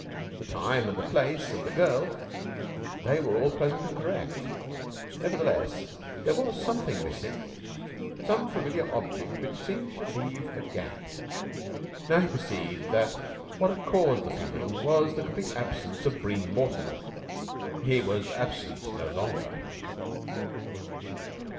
The time and the place and the girl they were all present and correct; nevertheless there was something missing, some familiar object which seemed to leave a gap. He now perceived that what had caused the feeling was the complete absence of Bream Mortimer. He was absent no longer.